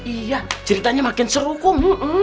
iya ceritanya makin seru kom